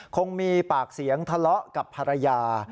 คงมีปากเสียงทะเลาะกับภรรยา